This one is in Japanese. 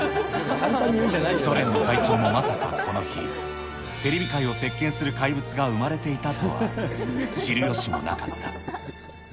ソ連の会長もまさか、この日、テレビ界を席けんする怪物が生まれていたとは、知るよしもなかった。